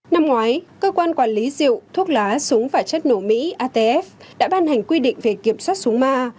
năm ngoái cơ quan quản lý rượu thuốc lá súng và chất nổ mỹ atf đã ban hành quy định về kiểm soát súng ma